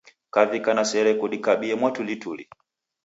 Kukavika na sere kudikabie mwatulituli.